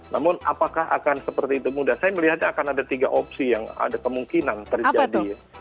namun apakah akan seperti itu mudah saya melihatnya akan ada tiga opsi yang ada kemungkinan terjadi ya